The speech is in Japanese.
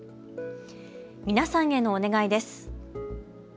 皆さんへのお願いです。